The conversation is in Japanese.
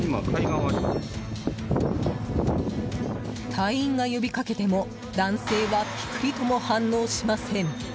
隊員が呼びかけても男性はぴくりとも反応しません。